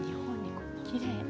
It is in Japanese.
きれい。